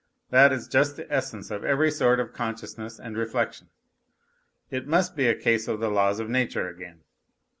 That is just the essence of every sort of consciousness and reflection. It must be a case of the laws of nature again.